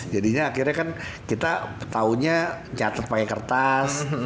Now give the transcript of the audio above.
jadinya akhirnya kan kita taunya catet pake kertas